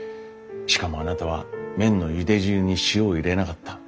しかもあなたは麺のゆで汁に塩を入れなかった。